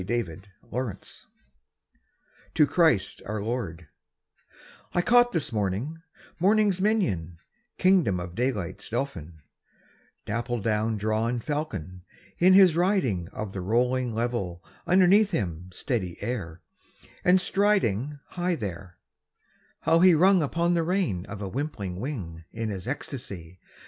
12 The Windhover: To Christ our Lord I CAUGHT this morning morning's minion, king dom of daylight's dauphin, dapple dawn drawn Fal con, in his riding Of the rolling level underneath him steady air, and striding High there, how he rung upon the rein of a wimpling wing In his ecstacy!